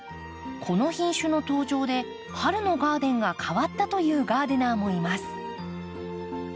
この品種の登場で春のガーデンが変わったというガーデナーもいます。